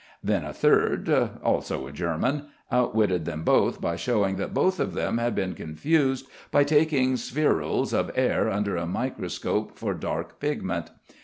Then a third also a German outwitted them both by showing that both of them had been confused, by taking spherules of air under a microscope for dark pigment.